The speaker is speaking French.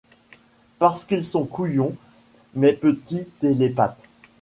Parce qu’ils sont couillouns, mes petits télépathes.